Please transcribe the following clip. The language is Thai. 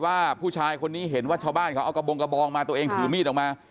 ว่าชาวบ้านเขาเอากระบงกระบองมาตัวเองถือมีดออกมา